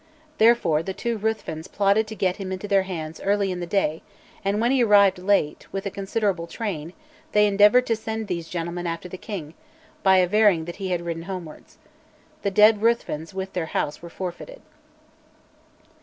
Therefore the two Ruthvens plotted to get him into their hands early in the day; and, when he arrived late, with a considerable train, they endeavoured to send these gentlemen after the king, by averring that he had ridden homewards. The dead Ruthvens with their house were forfeited.